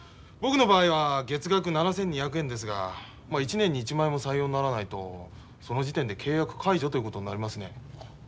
僕の場合は月額７，２００円ですが一年に一枚も採用にならないとその時点で契約解除ということになりますね。